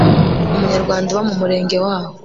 umunyarwanda uba mu Murenge waho